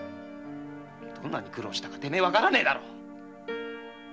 どんなに苦労したかてめえ分からねえだろう。